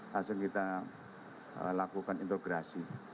langsung kita lakukan integrasi